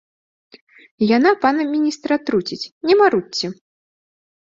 Яна пана міністра атруціць, не марудзьце.